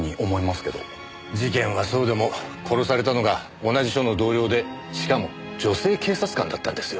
事件はそうでも殺されたのが同じ署の同僚でしかも女性警察官だったんですよ。